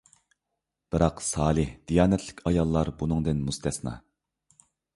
بىراق سالىھ، دىيانەتلىك ئاياللار بۇنىڭدىن مۇستەسنا.